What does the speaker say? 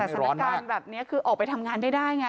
สถานการณ์แบบนี้คือออกไปทำงานไม่ได้ไง